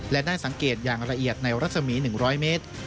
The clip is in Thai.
และได้สังเกตอย่างละเอียดในรัศมี๑๐๐เมตร